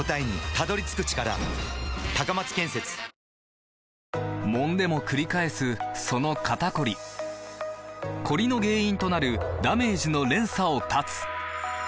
うまダブルなんでもんでもくり返すその肩こりコリの原因となるダメージの連鎖を断つ！